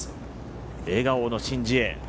笑顔のシン・ジエ。